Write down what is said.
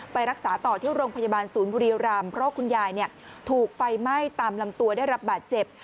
ไปรักษาต่อที่โรงพยาบาลศูนย์บุรีรำเพราะคุณยายถูกไฟไหม้ตามลำตัวได้รับบาดเจ็บ